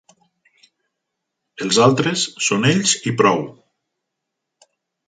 Els altres són ells i prou.